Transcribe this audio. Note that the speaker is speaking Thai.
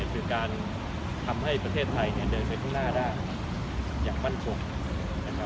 คือการทำให้ประเทศไทยเดินไปข้างหน้าได้อย่างมั่นคงนะครับ